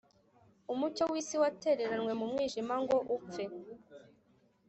umucyo w'isi watereranywe mu mwijima ngo upfe